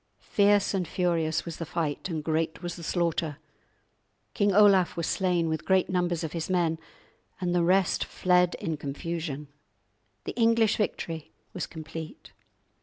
Fierce and furious was the fight, and great was the slaughter. King Olaf was slain, with great numbers of his men, and the rest fled in confusion. The English victory was complete.